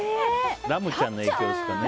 ラムちゃんの影響ですかね。